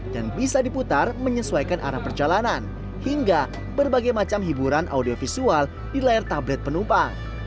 dan bisa diputar menyesuaikan arah perjalanan hingga berbagai macam hiburan audiovisual di layar tablet penumpang